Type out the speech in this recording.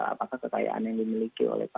apakah kekayaan yang dimiliki oleh